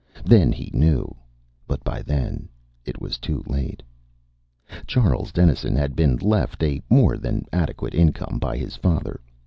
Then he knew. But by then it was too late. Charles Dennison had been left a more than adequate income by his father.